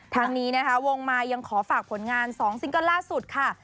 ทางนี้นะคะวงไมค์ยังขอฝากผลงานสองซิงค์กันล่าสุดค่ะ